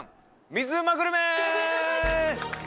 水うまグルメ！